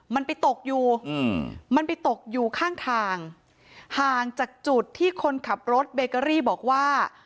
มันไปตกอยู่อืมมันไปตกอยู่ข้างทางห่างจากจุดที่คนขับรถเบเกอรี่บอกว่า